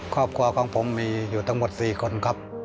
ครอบครัวของผมมีอยู่ทั้งหมด๔คนครับ